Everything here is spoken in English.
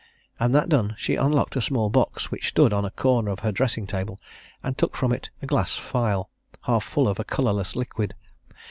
And that done, she unlocked a small box which stood on a corner of her dressing table, and took from it a glass phial, half full of a colourless liquid.